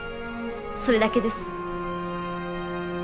それだけです。